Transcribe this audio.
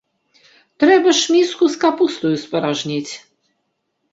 Трэба ж міску з капустаю спаражніць.